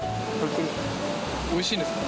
おいしいんですか？